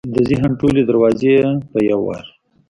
د ذهن ټولې دروازې یې په یو وار